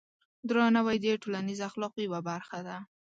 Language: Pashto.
درناوی د ټولنیز اخلاقو یوه برخه ده.